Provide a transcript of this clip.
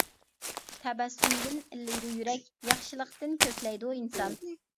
تەبەسسۇمدىن ئىللىيدۇ يۈرەك، ياخشىلىقتىن كۆكلەيدۇ ئىنسان.